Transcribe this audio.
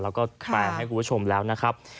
แล้วก็แปลให้คุณผู้ชมแล้วนะครับ